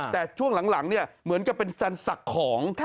แต่ช่วงหลังเนี่ยเหมือนกับเป็นซันสักของ